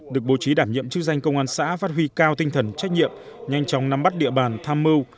được bố trí đảm nhiệm chức danh công an xã phát huy cao tinh thần trách nhiệm nhanh chóng nắm bắt địa bàn tham mưu